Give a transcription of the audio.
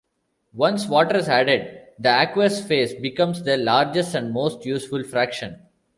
Once water is added, the aqueous phase becomes the largest and most useful fraction.